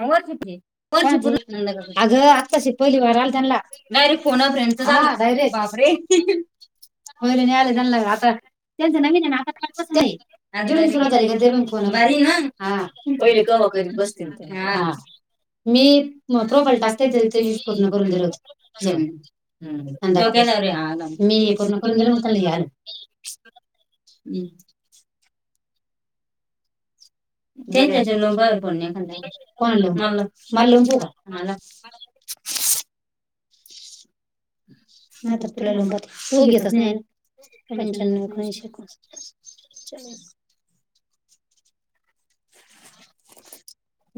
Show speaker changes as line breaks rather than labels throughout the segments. म करच
कोण श प अगं आत्ताशी पहिली वार आला त्यांना डायरेक्ट फोन फला डयरे बापरे ह होयर नि आला जा आतार का बारी ना पहिले गवा करीत बस मी प्रोफल टाकते ते यस पूर्ण करून दिल होत ह मी पूर्णपुृंदला मठं लयाल हम् त्यांच्या ज लो बर पण नाही एखादा कोण ल म म लणाला नाही तर तुला लोंबात तू घेतस नाही पंच्याण्व एकोणऐंशी एकोणी ह [unintelligible]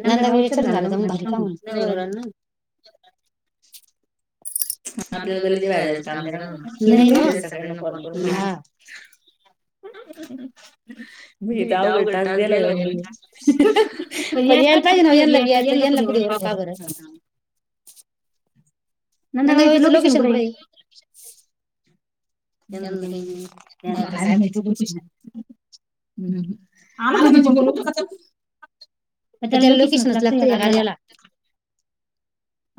नांदागाऊ विचारून झाला जा मग भारी का म्हण नाही उराल ना. मग आपल्याल गल्लीत जेवय जायचं कामरा सगळ्यांना फोन कर. मीदा उघडताच गेल याल [unintelligible] पण यायला पाहिजे हेनला बी यायच हेनला कुडी बर पाहा बर.
नंदा गाईच लोकेशन कुठ आय.
त्यांना काही लक [unintelligible] हम् आला म्हणजे बोलून जातोय. त्याला लोकेशनच लागतं या गाड्याला.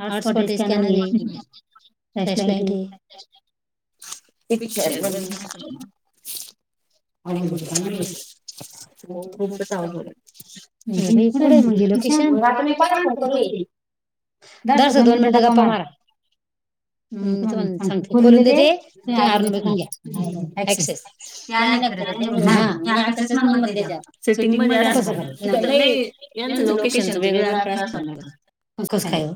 हॉटस्पाॉट, स्कॅनर आहे फ्लाॅश, लाईट. पिक्ष म्हण [unintelligible] आ [unintelligible] कुठे म्हणले लोकिशन. दरस दोन मिनटं गप्पा मारा. मी तुम्हाला सांगते खोलून देते तुम्ही अरण विकून घ्या एक्सेस त्या आल मी कच नंबर द्याटिंग मध्ये अस [unintelligible] यांच लोकेशनच वेगळ्या आ अस येत.
हा [unintelligible]
कसं काय हो.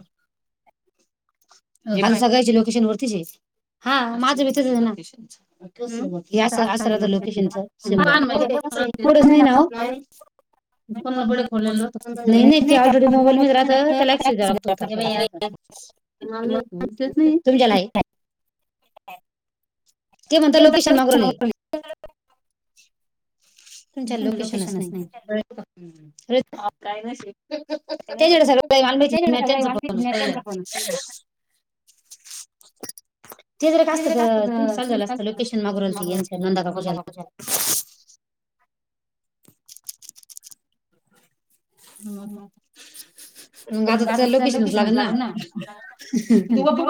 आला सगायची लोकेशन वरतीच यायची हा माझं तसंच हाय ना. असलत लोकेशनच सिमपल ढंच नाही ना हो. को ब खले नाही नाही ते ऑलरेडी मोबाईल राह त्या लॅक्सत होता. मला नाही तुमच्याला नाही तुमच्याला हाय. ते म्हणत लोकेशन मागरवले. तुमच्या लोकेशनच नाही. काय [unintelligible] त्याच्याड सगळं का मावायच त्यांचं प तर. ते जरा का असत तुमचं चालू झालं असतं लोकेशन मागरल ते येना नंदाकाकुशाला. हम हम मग आजच लोकेशनच लागेल ना. व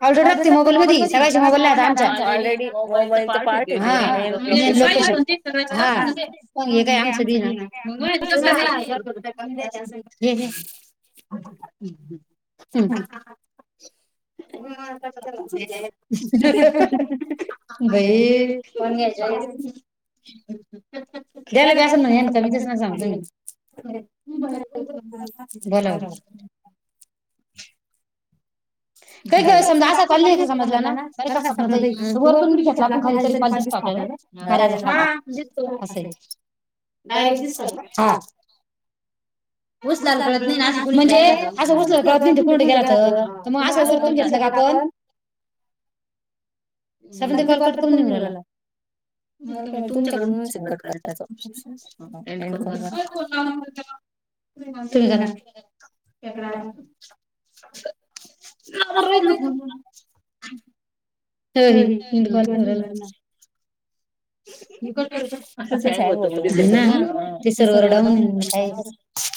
लागते मोबाईल म सगळ्याची मोबाईल ला आमच्या ऑर [unintelligible] मोबाल प ह लोकेशन हा [unintelligible] फन घ काय आमचं बिण मग [unintelligible] हम्
[inaudible]
बई कोण ने जा य स. त्याला व्यासन नाहीय तेच ना सांगतो मी [unintelligible]
बरोब.
काही का समजा असा कॉल नाही का समजला ना अरे का स्वप्ना ताई वरतून बी घेतला आपण खरी तरी कॉल दिसतो आपल्याला बर का. अरे असायच हा [unintelligible] उसलाला कळत नाही अस म्हणजे असं उचलाला कळत नाही को गेला मग. आसं वतून घेतलं का आपण. सबध कॉलकट करून देऊराला. तुमच्याकडून सं करायचं कर [unintelligible] ठीक आहे ना [unintelligible]
हो ब ब ना. [unintelligible]
हँ होत ते सर्वर डाऊन येईा [unintelligible]